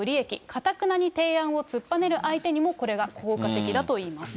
かたくなに提案を突っぱねる相手にもこれが効果的だといいます。